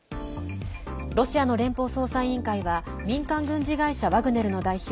ロシアの連邦捜査委員会は民間軍事会社ワグネルの代表